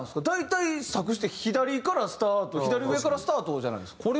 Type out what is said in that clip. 大体作詞って左からスタート左上からスタートじゃないですか。